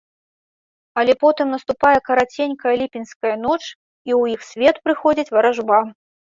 Але потым наступае караценькая ліпеньская ноч, і ў іх свет прыходзіць варажба.